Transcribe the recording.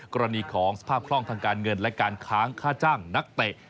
กรณีของสภาพคล่องทางการเงินและการค้างค่าจ้างนักเตะ